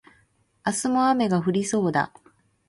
明日も雨が降りそうだ